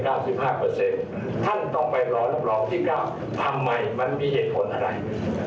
ท่านต่อไปรอรับรองที่เก้าทำไมมันมีเหตุผลอะไร